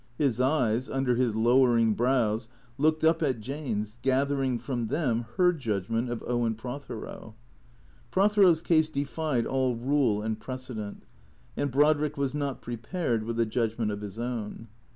His eyes, under his lowering brows, looked up at Jane's, gathering from them her judgment of Owen Prothero. Prothero's case defied all rule and precedent, and Brodrick was not prepared with a judgment of his own.